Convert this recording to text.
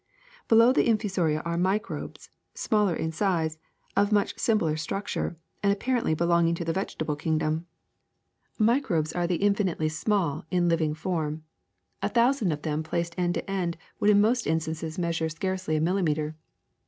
^^ Below the infusoria are microbes, smaller in size, of much simpler structure, and apparently belonging to the vegetable kingdom. Microbes are the infi GERMS 317 nitely small in living form. A thousand of them placed end to end would in most instances measure scarcely a millimeter.